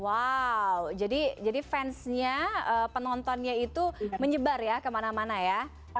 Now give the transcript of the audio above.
wow jadi fansnya penontonnya itu menyebar ya kemana mana ya